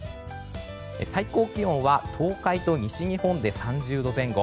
最高気温は東海と西日本で３０度前後。